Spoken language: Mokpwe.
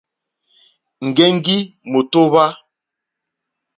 Ŋgεŋgi mòtohwa.